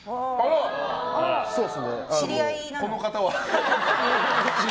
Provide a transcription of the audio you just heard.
知り合いなの？